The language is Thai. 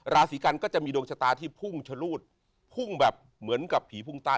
ราศีกันก็จะมีดวงชะตาที่พุ่งชะลูดพุ่งแบบเหมือนกับผีพุ่งใต้